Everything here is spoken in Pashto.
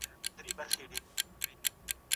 هم ډنګر وو هم له رنګه